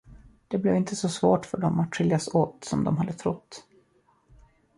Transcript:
Det blev inte så svårt för dem att skiljas åt som de hade trott.